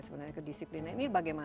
sebenarnya kedisiplinan ini bagaimana